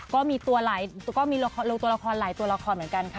ก็มีตัวหลายตัวก็มีลงตัวละครหลายตัวละครเหมือนกันค่ะ